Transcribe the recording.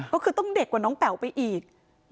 ก็คือต้องเด็กกว่าน้องแป๋วไปอีก